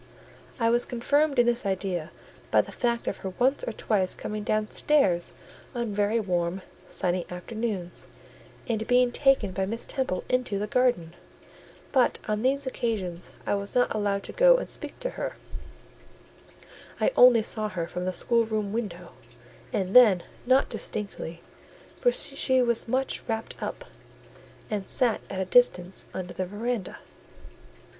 I was confirmed in this idea by the fact of her once or twice coming downstairs on very warm sunny afternoons, and being taken by Miss Temple into the garden; but, on these occasions, I was not allowed to go and speak to her; I only saw her from the schoolroom window, and then not distinctly; for she was much wrapped up, and sat at a distance under the verandah.